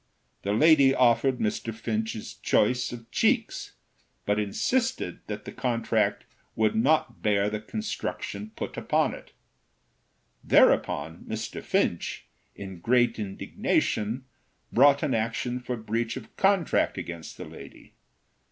The lady offered Mr. Finch a choice of cheeks, but insisted that the contract would not bear the construction put upon it. Thereupon Mr. Finch, in great indignation, brought an action for breach of contract against the lady.